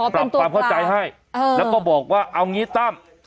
ปรับความเข้าใจให้แล้วก็บอกว่าเอางี้ตั้ม